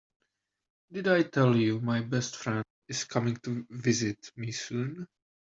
Did I tell you my best friend is coming to visit me soon?